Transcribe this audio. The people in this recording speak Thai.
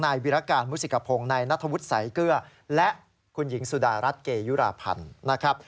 นายวิราการมุษิกภงในนธวรรษไสเกลือและคุณหญิงสุดารัฐเกยุราพันธ์นะครับ